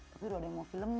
tapi udah ada yang mau filmin